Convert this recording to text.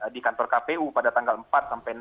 di kantor kpu pada tanggal empat sampai enam